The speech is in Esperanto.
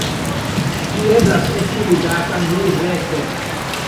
Ĝi eblas esti ludata nur rete.